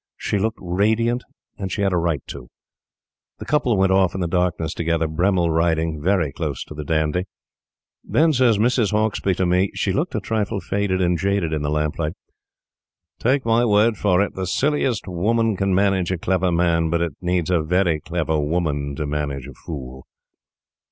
She looked radiant; and she had a right to. The couple went off in the darkness together, Bremmil riding very close to the dandy. Then says Mrs. Hauksbee to me she looked a trifle faded and jaded in the lamplight: "Take my word for it, the silliest woman can manage a clever man; but it needs a very clever woman to manage a fool."